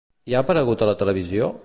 I ha aparegut a la televisió?